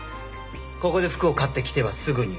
ここで服を買って着てはすぐに売る。